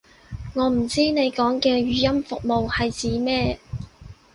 我唔知你講嘅語音服務係指咩